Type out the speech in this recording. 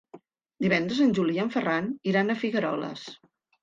Divendres en Juli i en Ferran iran a Figueroles.